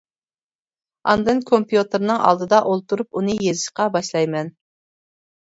ئاندىن كومپيۇتېرنىڭ ئالدىدا ئولتۇرۇپ ئۇنى يېزىشقا باشلايمەن.